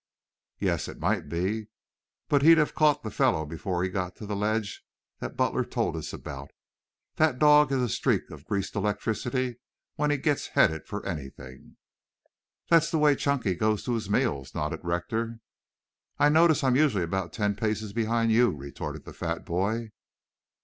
"Yes, it might be, but he'd caught the fellow before he got to the ledge that Butler told us about. That dog is a streak of greased electricity when he gets headed for anything." "That's the way Chunky goes to his meals," nodded Rector. "I notice I'm usually about ten paces behind you," retorted the fat boy.